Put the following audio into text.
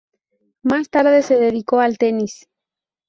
Más tarde se dedicó al tenis.